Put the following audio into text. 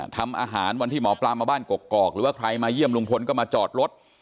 ทำอาหารวันที่หมอปลามาบ้านกกอกหรือว่าใครมาเยี่ยมลุงพลก็มาจอดรถ